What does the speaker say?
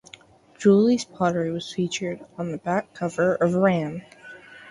Julie's poetry was featured on the back cover of "Ram".